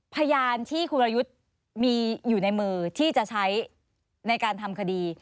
พยานที่คุณรยุทธ์มีอยู่ในมือที่จะใช้ในการทำคดี